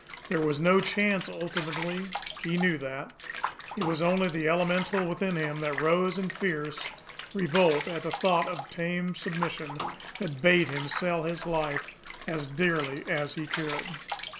There was no chance ultimately, he knew that; it was only the elemental within him that rose in fierce revolt at the thought of tame submission, that bade him sell his life as dearly as he could.